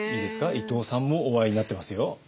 伊藤さんもお会いになってますよ。